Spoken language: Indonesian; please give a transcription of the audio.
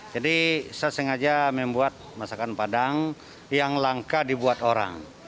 jadi saya sengaja membuat masakan padang yang langka dibuat orang